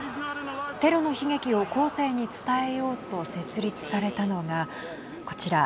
テロの悲劇を後世に伝えようと設立されたのがこちら。